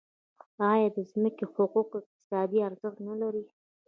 آیا د ځمکې حقوق اقتصادي ارزښت نلري؟